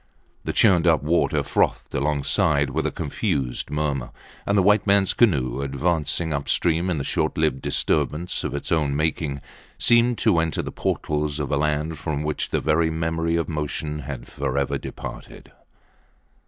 The churned up water frothed alongside with a confused murmur. And the white mans canoe, advancing upstream in the short lived disturbance of its own making, seemed to enter the portals of a land from which the very memory of motion had forever departed.